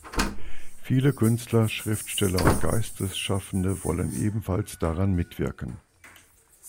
Viele Künstler, Schriftsteller und Geistesschaffende wollen ebenfalls daran mitwirken.